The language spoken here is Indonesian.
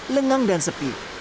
lengang dan sepi